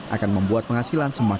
akan membuat keadaan yang lebih baik